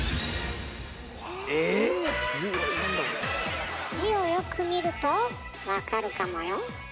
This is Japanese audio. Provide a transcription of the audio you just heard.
ええ⁉字をよく見ると分かるかもよ？